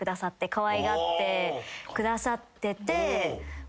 かわいがってくださってて。